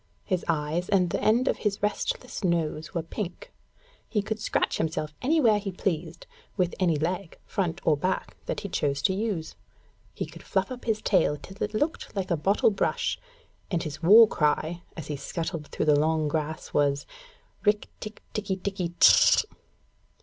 His eyes and the end of his restless nose were pink; he could scratch himself anywhere he pleased, with any leg, front or back, that he chose to use; he could fluff up his tail till it looked like a bottle brush, and his war cry, as he scuttled through the long grass, was: '_Rikk tikk tikki tikki tchk!